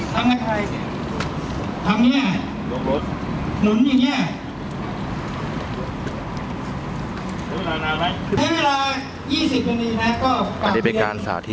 คนเดียวจริงน่ะมันมีอะไรต่อป่ะ